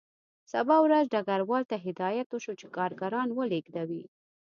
سبا ورځ ډګروال ته هدایت وشو چې کارګران ولېږدوي